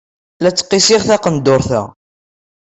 La ttqissiɣ taqendurt-a.